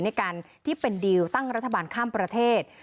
ในการที่เป็นดีลตั้งรัฐบาลข้ามประเทศ